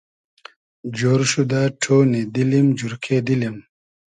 جۉر شودۂ ݖۉنی دیلیم جورکې دیلیم